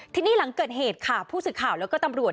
ทีนี้หลังเกิดเหตุค่ะผู้สื่อข่าวแล้วก็ตำรวจ